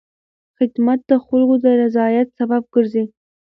خدمت د خلکو د رضایت سبب ګرځي.